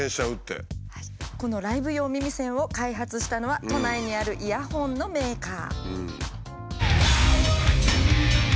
このライブ用耳栓を開発したのは都内にあるイヤホンのメーカー。